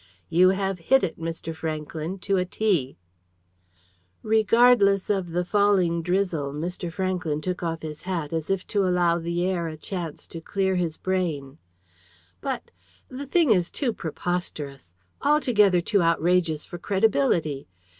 "You have hit it, Mr. Franklyn, to a T." Regardless of the falling drizzle, Mr. Franklyn took off his hat, as if to allow the air a chance to clear his brain. "But the thing is too preposterous! altogether too outrageous for credibility!